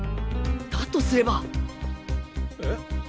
だとすればえ？